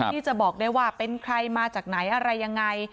ที่จะบอกได้ว่าเป็นใครมาจากไหนอะไรยังไง